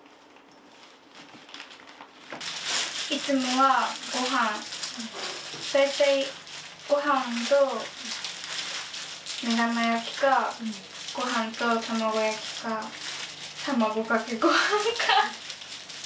いつもはごはん大体ごはんと目玉焼きかごはんと卵焼きか卵かけごはんか。